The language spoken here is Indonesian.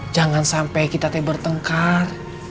jangan sampai kita teh bertengkar